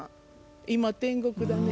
今天国だね。